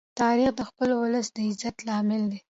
تاریخ د خپل ولس د عزت لامل دی.